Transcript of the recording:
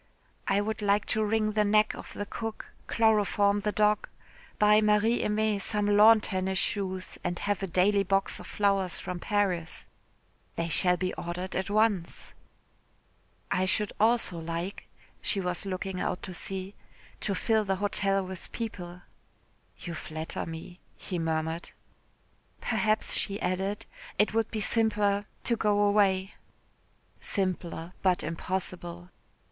"I would like to wring the neck of the cook, chloroform the dog, buy Marie Aimée some lawn tennis shoes, and have a daily box of flowers from Paris." "They shall be ordered at once." "I should also like," she was looking out to sea, "to fill the hotel with people." "You flatter me," he murmured. "Perhaps," she added, "it would be simpler to go away." "Simpler but impossible."